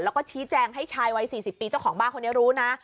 แล้วก็ชี้แจงให้ชายวัย๔๐ปีเจ้าของบ้านคนนี้รู้นะ